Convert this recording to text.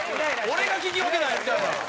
俺が聞き分けないみたいやん。